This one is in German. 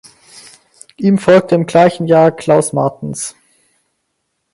Ihm folgte im gleichen Jahre Clauß Martens.